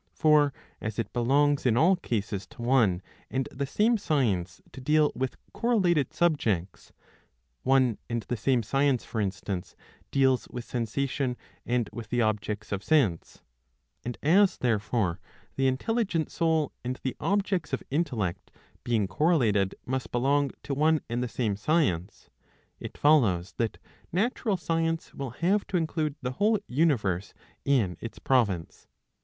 For as it belongs in all cases to one and the same science to deal with correlated subjects — one and the same science, for instance, deals with sensation and with the objects of sense — and as therefore the intelligent soul and the objects of intellect, being correlated, must belong to one and the same science, it follows that natural science will have to include the whole universe in its province.